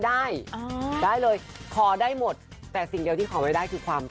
ได้ได้เลยขอได้หมดแต่สิ่งเดียวที่ขอไม่ได้คือความ